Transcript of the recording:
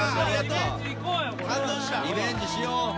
リベンジしよう。